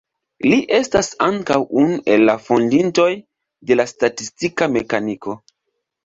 Li estas ankaŭ unu el la fondintoj de la statistika mekaniko.